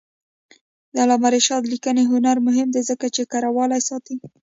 د علامه رشاد لیکنی هنر مهم دی ځکه چې کرهوالي ساتي.